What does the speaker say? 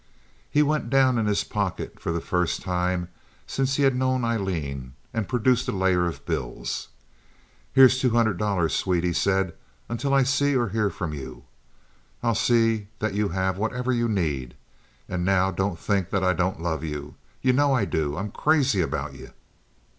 He went down in his pocket for the first time since he had known Aileen and produced a layer of bills. "Here's two hundred dollars, sweet," he said, "until I see or hear from you. I'll see that you have whatever you need; and now don't think that I don't love you. You know I do. I'm crazy about you."